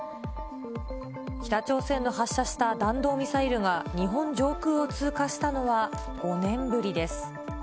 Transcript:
北朝鮮の発射した弾道ミサイルが日本上空を通過したのは５年ぶりです。